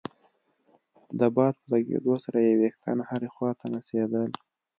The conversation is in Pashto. د باد په لګېدو سره يې ويښتان هرې خوا ته نڅېدل.